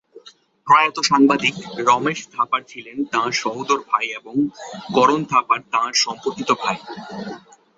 প্রয়াত সাংবাদিক রমেশ থাপার ছিলেন তাঁর সহোদর ভাই এবং করণ থাপার তাঁর সম্পর্কিত ভাই।